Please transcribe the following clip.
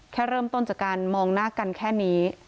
แค่เริ่มต้นจากการมองหน้ากันแค่นี้